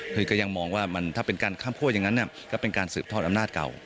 เธอยังมองว่ามันถ้าเป็นการข้ามคั่วยังงั้นเนี่ยก็เป็นการสืบทอดอำนาจเก่า